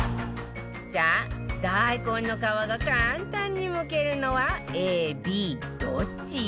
さあ大根の皮が簡単にむけるのは ＡＢ どっち？